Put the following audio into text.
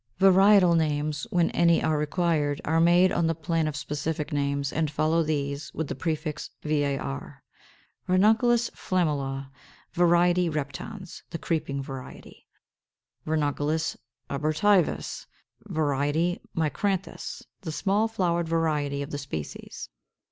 538. =Varietal Names=, when any are required, are made on the plan of specific names, and follow these, with the prefix var. Ranunculus Flammula, var. reptans, the creeping variety: R. abortivus, var. micranthus, the small flowered variety of the species.